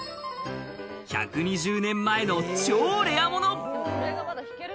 １２０年前の超レア物。